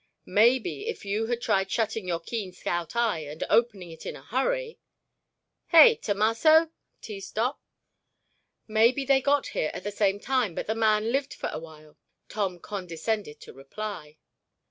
"Maybe if you had tried shutting your keen scout eye and opening it in a hurry—— Hey, Tomasso?" teased Doc. "Maybe they got here at the same time but the man lived for a while," Tom condescended to reply.